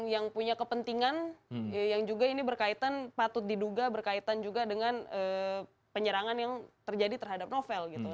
yang punya kepentingan yang juga ini berkaitan patut diduga berkaitan juga dengan penyerangan yang terjadi terhadap novel gitu